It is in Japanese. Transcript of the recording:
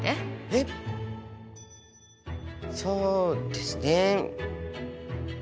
えっそうですね。